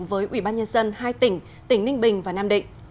với ủy ban nhân dân hai tỉnh tỉnh ninh bình và nam định